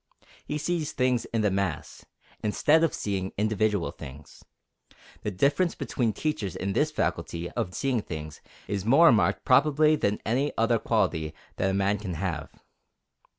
He sees things in the mass, instead of seeing individual things. The difference between teachers in this faculty of seeing things is more marked probably than in any other quality that a man can have.